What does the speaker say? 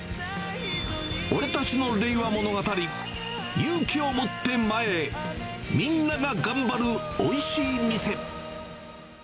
俺たちの令和物語、勇気を持って前へ、みんなが頑張るおいしい店。